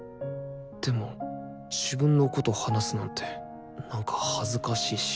でも自分のこと話すなんてなんか恥ずかしいし。